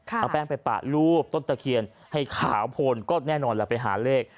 เอาแป้งไปปะรูปต้นตะเคียนให้ขาวโพนก็แน่นอนแล้วไปหาเลข